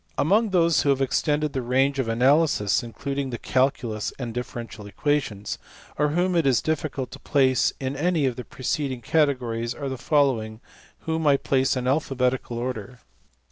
Among those who have extended the range of (including the calculus and differential equations) or whom it is difficult to place in any of the preceding categories are the following, whom I place in alphabetical order.